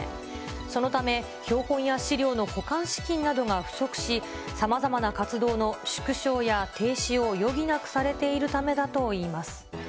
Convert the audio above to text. そのため、標本や資料の保管資金などが不足し、さまざまな活動の縮小や停止を余儀なくされているためだといいます。